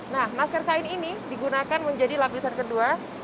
nah masker kain ini digunakan menjadi lapisan kedua